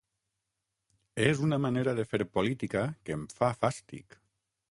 És una manera de fer política que em fa fàstic.